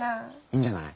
いいんじゃない？